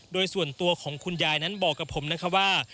โดยส่วนตัวของคุณยายนั้นบอกกับผมนะคะว่า